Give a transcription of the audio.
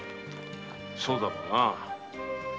そうだろうな。